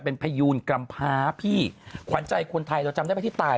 เป็นพยูนกำพาพี่ขวัญใจคนไทยเราจำได้ไหมที่ตาย